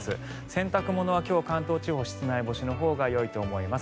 洗濯物は今日、関東地方室内干しのほうがよいと思います。